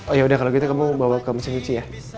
oh yaudah kalau gitu kamu bawa ke mesin suci ya